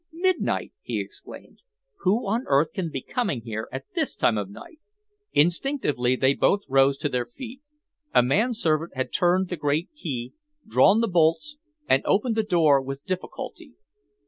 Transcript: "Midnight!" he exclaimed. "Who on earth can be coming here at this time of night!" Instinctively they both rose to their feet. A manservant had turned the great key, drawn the bolts, and opened the door with difficulty.